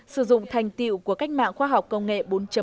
sử dụng thành tiệu của cách mạng khoa học công nghệ bốn